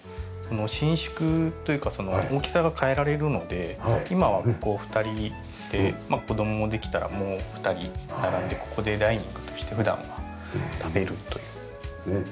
伸縮というかその大きさが変えられるので今は２人で子供できたらもう２人並んでここでダイニングとして普段は食べるという。